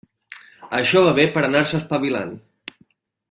Això va bé per anar-se espavilant.